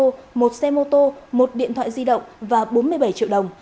tăng vật thu giữ gồm một xe ô tô một điện thoại di động và bốn mươi bảy triệu đồng